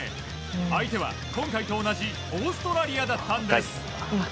相手は今回と同じオーストラリアだったんです。